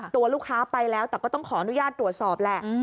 ตัวลูกค้าไปแล้วแต่ก็ต้องขออนุญาตตรวจสอบแหละ